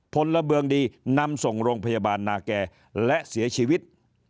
พลเมืองดีนำส่งโรงพยาบาลนาแก่และเสียชีวิต